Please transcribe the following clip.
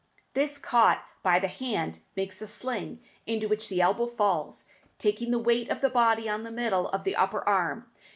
This being caught by the hand, makes a sling, into which the elbow falls, taking the weight of the body on the middle of the upper arm.